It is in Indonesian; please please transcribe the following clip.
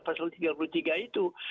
pasal tiga puluh tiga itu